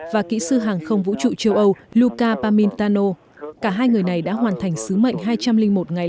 và kỹ sư hàng không vũ trụ châu âu luca pamintano cả hai người này đã hoàn thành sứ mệnh hai trăm linh một ngày